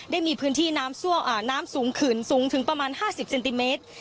ได้มีพื้นที่น้ำสูงขึ้นสูงถึงประมาณ๕๐เซนติเมตร